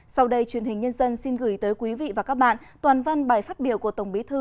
sau đây truyền hình nhân dân xin gửi tới quý vị và các bạn toàn văn bài phát biểu của tổng bí thư